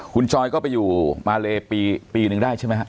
คุณจอยก็ไปอยู่มาเลปีนึงได้ใช่ไหมฮะ